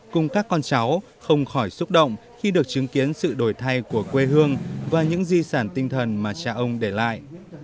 cùng các con cháu không khỏi xúc động khi được chứng kiến sự đổi thay của quê hương và những di sản tinh thần mà cha ông để lại